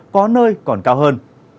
có nơi còn cao hơn